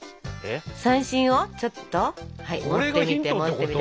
三線をちょっと持ってみて持ってみて。